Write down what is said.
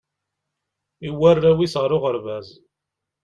iwwi arraw is ar uɣerbaz